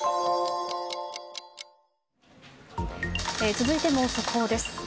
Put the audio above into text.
続いても速報です。